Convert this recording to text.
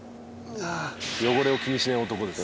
汚れを気にしない男です。